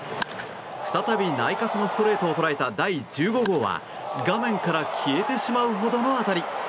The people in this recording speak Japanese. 再び内角のストレートを捉えた第１５号は画面から消えてしまうほどの当たり。